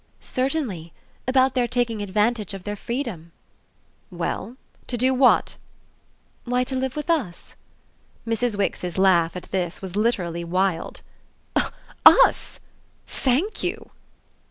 "Certainly; about their taking advantage of their freedom." "Well, to do what?" "Why, to live with us." Mrs. Wix's laugh, at this, was literally wild. "'Us?' Thank you!"